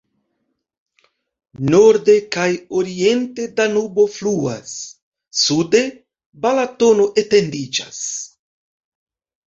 Norde kaj oriente Danubo fluas, sude Balatono etendiĝas.